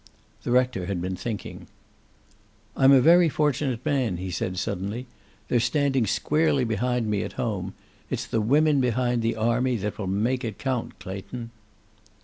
The rector had been thinking. "I'm a very fortunate man," he said, suddenly. "They're standing squarely behind me, at home. It's the women behind the army that will make it count, Clayton."